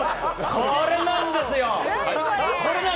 これなんですよ。